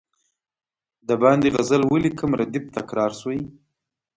د باندي غزل ولیکم ردیف تکرار شوی.